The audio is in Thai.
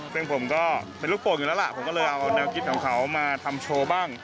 ซึ่งผมก็เป็นลูกโป่งอยู่แล้วล่ะผมก็เลยเอาแนวคิดของเขามาทำโชว์บ้าง